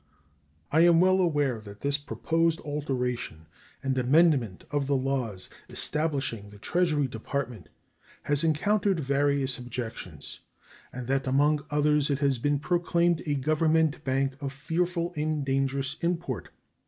I am well aware that this proposed alteration and amendment of the laws establishing the Treasury Department has encountered various objections, and that among others it has been proclaimed a Government bank of fearful and dangerous import.